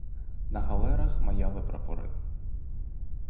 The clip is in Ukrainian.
На галерах маяли прапори.